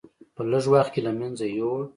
په لږ وخت کې له منځه یووړ.